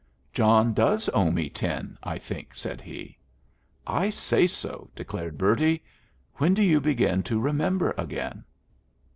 "John does owe me ten, I think," said he. "I say so," declared Bertie. "When do you begin to remember again?"